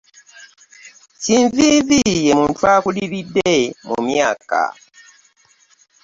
Kinvinvi ye muntu akuliridde mu myaka.